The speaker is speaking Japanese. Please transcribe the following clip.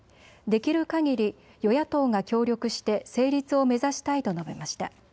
できるかぎり与野党が協力して成立を目指したいと述べました。